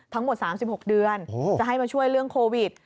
ทั้งหมด๓๖เดือนจะให้มาช่วยเรื่องโควิด